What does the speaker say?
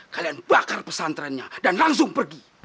kalian bakar pesantrennya dan langsung pergi